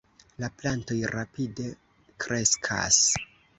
La plantoj rapide kreskas.